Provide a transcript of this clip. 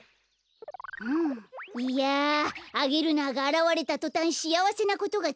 いやアゲルナーがあらわれたとたんしあわせなことがつづいているよ。